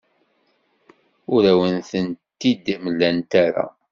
Ur awen-tent-id-mlant ara.